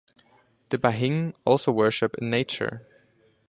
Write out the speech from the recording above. The Bahing also worship in Nature.